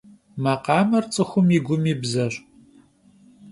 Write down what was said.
Макъамэр цӏыхум и гум и бзэщ.